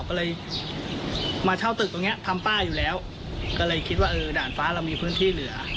ก็เลยมาเช่าตึกตรงเนี้ยทำป้าอยู่แล้วก็เลยคิดว่าเออด่านฟ้าเรามีพื้นที่เหลือ